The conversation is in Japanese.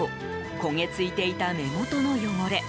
焦げついていた目元の汚れ。